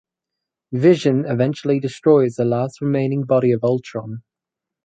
Vision eventually destroys the last remaining body of Ultron.